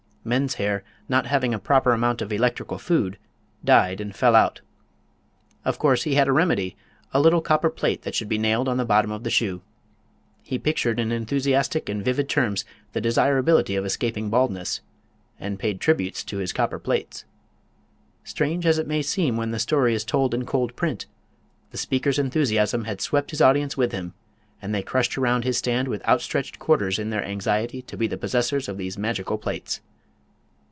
Men's hair, not having a proper amount of electrical food, died and fell out. Of course he had a remedy a little copper plate that should be nailed on the bottom of the shoe. He pictured in enthusiastic and vivid terms the desirability of escaping baldness and paid tributes to his copper plates. Strange as it may seem when the story is told in cold print, the speaker's enthusiasm had swept his audience with him, and they crushed around his stand with outstretched "quarters" in their anxiety to be the possessors of these magical plates!